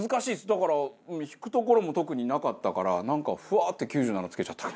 だから引くところも特になかったからなんかフワッて９７つけちゃった。